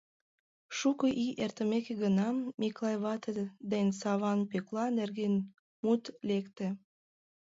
Шуко ий эртымеке гына, Миклай вате ден Саван Пӧкла нерген мут лекте...